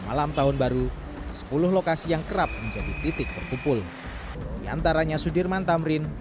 malam tahun baru sepuluh lokasi yang kerap menjadi titik berkumpul diantaranya sudirman tamrin